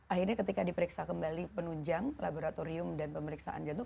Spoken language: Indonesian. akhirnya ketika diperiksa kembali penunjang laboratorium dan pemeriksaan jantung